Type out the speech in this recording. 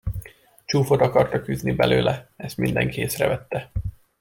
Csúfot akartak űzni belőle, ezt mindenki észrevette.